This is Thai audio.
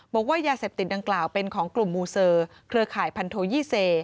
บอกว่ายาเสพติดดังกล่าวเป็นของกลุ่มมูเซอร์เครือข่ายพันโทยี่เซ